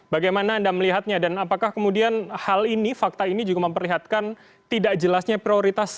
bagaimana anda melihatnya dan apakah kemudian hal ini fakta ini juga memperlihatkan tidak jelasnya prioritas